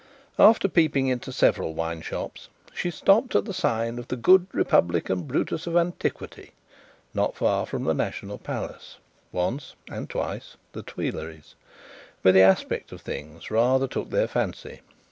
After peeping into several wine shops, she stopped at the sign of the Good Republican Brutus of Antiquity, not far from the National Palace, once (and twice) the Tuileries, where the aspect of things rather took her fancy.